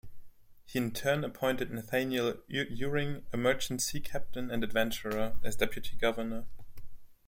He in turn appointed Nathaniel Uring, a merchant sea captain and adventurer, as deputy-governor.